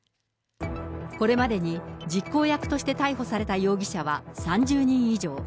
これまでに実行役として逮捕された容疑者は３０人以上。